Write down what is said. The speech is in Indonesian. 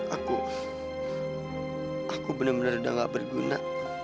aku aku bener bener udah nggak berguna